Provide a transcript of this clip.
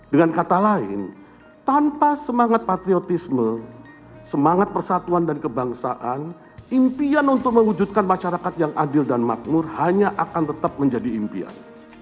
dengan kata lain tanpa semangat patriotisme semangat persatuan dan kebangsaan impian untuk mewujudkan masyarakat yang adil dan makmur hanya akan tetap menjadi impian